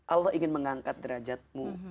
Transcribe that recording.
allah ingin mengangkat derajat mu